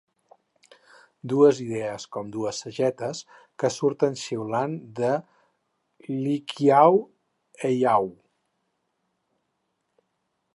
Dues idees com dues sagetes que surten xiulant de l'Hikiau Heiau.